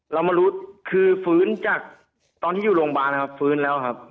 เรามารู้คือฟื้นจากตอนที่อยู่โรงพยาบาลนะครับฟื้นแล้วครับ